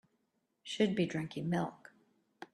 Should be drinking milk.